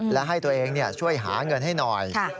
และให้ตัวเองช่วยหาเงินให้หน่อย